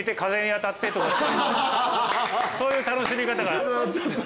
そういう楽しみ方が。